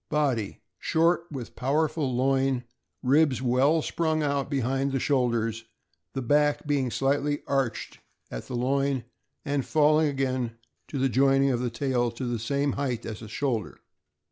Body. — Short, with powerful loin, ribs well sprung out behind the shoulders, the back being slightly arched at the loin, and falling again to the joining of the tail to the same height as the shoulder.